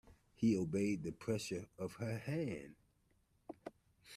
He obeyed the pressure of her hand.